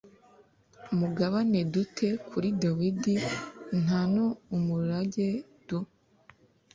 mugabane du te kuri dawidi nta n umurage du